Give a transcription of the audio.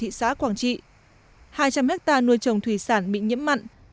thị xã quảng trị hai trăm linh hectare nuôi trồng thủy sản bị nhiễm mặn